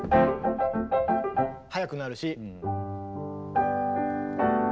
速くなるし。